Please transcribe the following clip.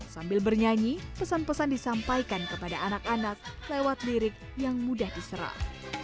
sambil bernyanyi pesan pesan disampaikan kepada anak anak lewat lirik yang mudah diserap